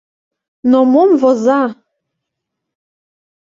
Но мом воза?